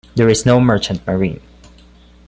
There is no merchant marine.